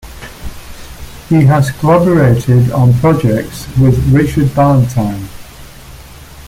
He has collaborated on projects with Richard Ballantine.